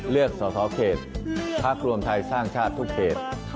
เลือกสอสเขตพรรครวมไทยสร้างชาติทุกเขต